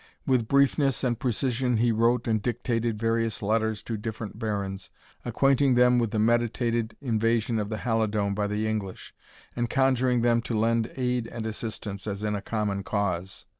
With briefness and precision he wrote and dictated various letters to different barons, acquainting them with the meditated invasion of the Halidome by the English, and conjuring them to lend aid and assistance as in a common cause.